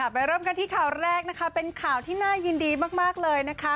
เริ่มกันที่ข่าวแรกนะคะเป็นข่าวที่น่ายินดีมากเลยนะคะ